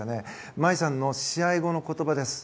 茉愛さんの試合後の言葉です。